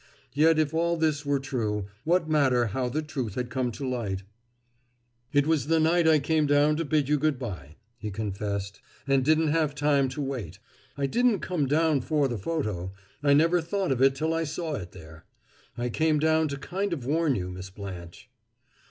Yet if all this were true, what matter how the truth had come to light? "It was the night I came down to bid you good by," he confessed, "and didn't have time to wait. I didn't come down for the photo. I never thought of it till I saw it there. I came down to kind of warn you, Miss Blanche!"